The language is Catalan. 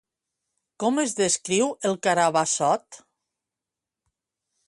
Com es descriu el Carbassot?